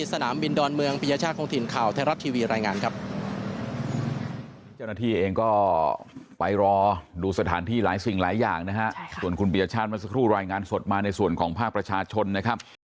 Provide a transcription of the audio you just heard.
สนามบินดอนเมืองปิญญาชาติครองถิ่นข่าวไทยรับทีวีรายงานครับ